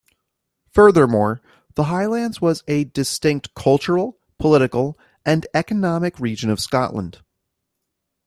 Furthermore, the Highlands was a distinct cultural, political and economic region of Scotland.